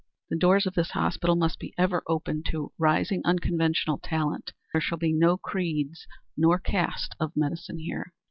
The doors of this hospital must be ever open to rising unconventional talent. There shall be no creeds nor caste of medicine here."